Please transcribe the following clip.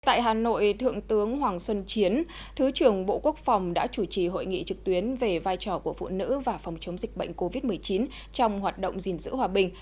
tại hà nội thượng tướng hoàng xuân chiến thứ trưởng bộ quốc phòng đã chủ trì hội nghị trực tuyến về vai trò của phụ nữ và phòng chống dịch bệnh covid một mươi chín trong hoạt động gìn giữ hòa bình